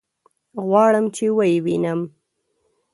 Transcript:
غواړم چې ويې وينم.